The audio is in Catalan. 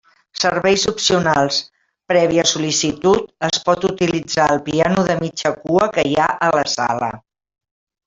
Serveis opcionals: prèvia sol·licitud, es pot utilitzar el piano de mitja cua que hi ha a la sala.